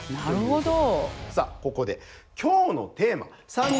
なるほど。